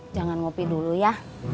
jangan kopi dulu ya